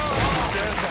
やりました。